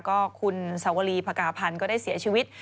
ก็คุณสวรีภากาพันธ์ก็ได้เสียชีวิต